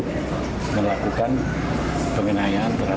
dan kita sudah melakukan pengetapan